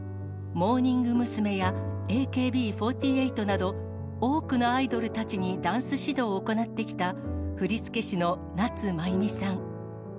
モーニング娘。や、ＡＫＢ４８など、多くのアイドルたちにダンス指導を行ってきた、振付師の夏まゆみさん。